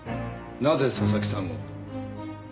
なぜ佐々木さんを？